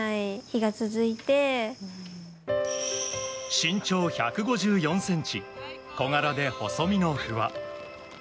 身長１５４ｃｍ小柄で細身の不破。